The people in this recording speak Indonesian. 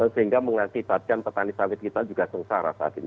sehingga mengakibatkan petani sawit kita juga sengsara saat ini